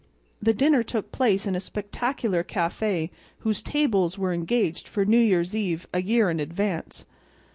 The dinner took place in a spectacular café whose tables are engaged for New Year's eve a year in advance.